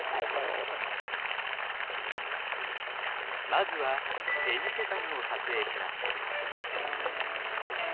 まずはペニセタムを撮影します。